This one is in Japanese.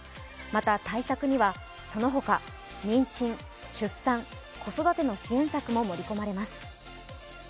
また対策にはその他、妊娠・出産・子育ての支援策も盛り込まれます。